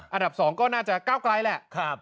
อันดับ๒ก็น่าจะก้าวไกลแหละ